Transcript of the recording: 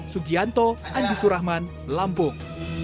sugianto andi surahman lampung